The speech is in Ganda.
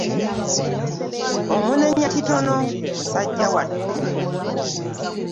Omunenya kitono musajja wattu.